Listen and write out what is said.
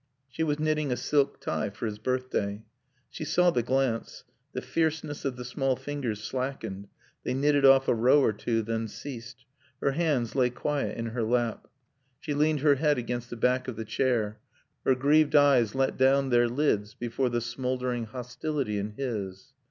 She was knitting a silk tie for his birthday. She saw the glance. The fierceness of the small fingers slackened; they knitted off a row or two, then ceased. Her hands lay quiet in her lap. She leaned her head against the back of the chair. Her grieved eyes let down their lids before the smouldering hostility in his.